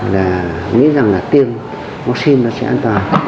là nghĩ rằng là tiêm vaccine nó sẽ an toàn